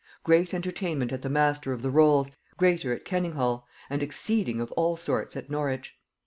Great entertainment at the master of the Rolls'; greater at Kenninghall, and exceeding of all sorts at Norwich.